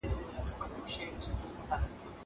زه اجازه لرم چي ځواب وليکم..